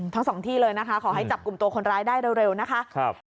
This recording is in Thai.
ทั้งสองที่เลยนะคะขอให้จับกลุ่มตัวคนร้ายได้เร็วนะคะ